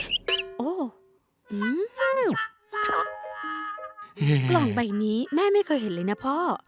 กล่องใบนี้แม่ไม่เคยเห็นเลยนะพ่อ